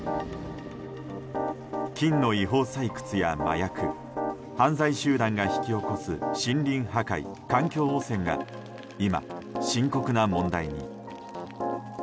金の違法採掘や麻薬犯罪集団が引き起こす森林破壊、環境汚染が今、深刻な問題に。